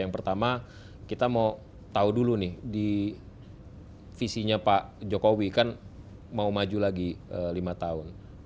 yang pertama kita mau tahu dulu nih di visinya pak jokowi kan mau maju lagi lima tahun